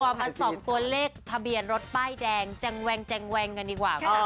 กว่ามา๒ตัวเลขทะเบียนรถป้ายแดงแจงแวงกันดีกว่า